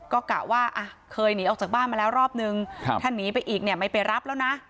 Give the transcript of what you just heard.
ก็กะว่าเคยหนีออกจากบ้านมาแล้วรอบนึงถ้าหนีไปอีกเนี่ยไม่ไปรับแล้วนะ